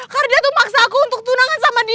karena dia tuh maksa aku untuk tunangan sama dia